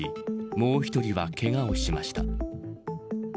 もう１人は、けがをしました。